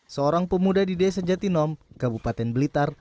seorang pemuda di desa jatinom kabupaten blitar